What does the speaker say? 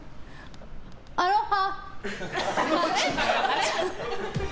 アロハ！